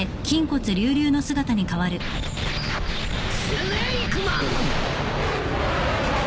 スネイクマン！